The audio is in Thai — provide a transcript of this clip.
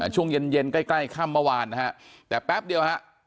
ช่วงเย็นใกล้ข้ามเมื่อวานนะฮะแต่แป๊บเดียวนะฮะ